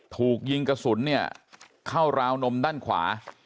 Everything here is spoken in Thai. ถูกยิงกระสุนเนี่ยเข้าราวนมด้านขวา